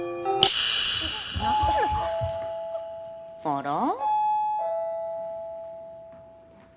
あら？